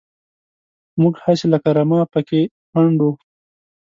موږ هسې لکه رمه پکې پنډ وو.